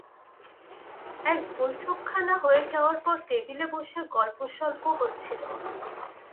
এক বৈঠক খানা হয়ে যাওয়ার পর টেবিলে বসে গল্পস্বল্প হচ্ছিল।